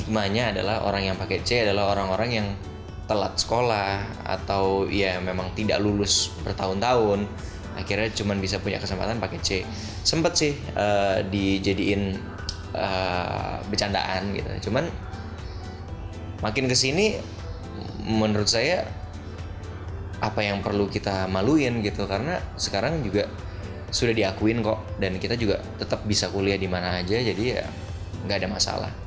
makin ke sini menurut saya apa yang perlu kita maluin karena sekarang juga sudah diakuin kok dan kita juga tetap bisa kuliah di mana saja jadi ya nggak ada masalah